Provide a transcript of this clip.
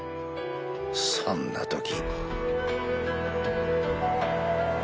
そんな時。